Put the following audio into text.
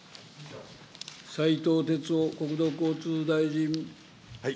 斉藤鉄夫国土交通大臣。